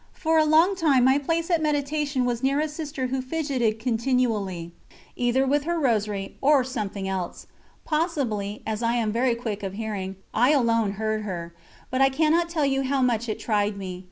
For a long time my place at meditation was near a Sister who fidgeted continually, either with her Rosary, or something else; possibly, as I am very quick of hearing, I alone heard her, but I cannot tell you how much it tried me.